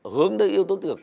hướng tới yếu tố tích cực